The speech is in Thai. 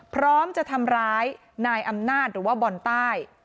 พร้อมจะทำร้ายนายอำนาจหรือว่าบอลใต้